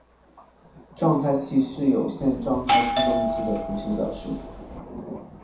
状态器是有限状态自动机的图形表示。